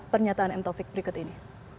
pernyataan m taufik berikut ini